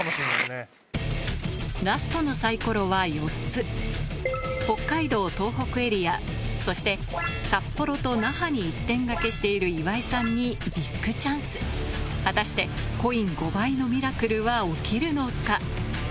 ラストのサイコロは４つ北海道・東北エリアそして札幌と那覇に一点賭けしている岩井さんにビッグチャンス果たしてコイン５倍のミラクルは起きるのか？